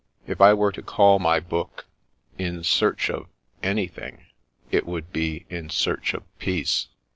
If I were to call my book * In Search of — anything,' it would be, * In Search of Peace.'